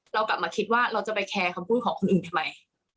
เรากลับมาคิดว่าเราจะไปแคร์คำพูดของคนอื่นทำไม